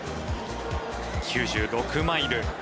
９６マイル。